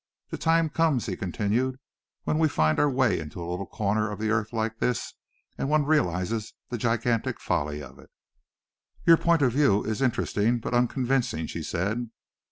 The time comes," he continued, "when we find our way into a little corner of the earth like this, and one realizes the gigantic folly of it." "Your point of view is interesting but unconvincing," she said.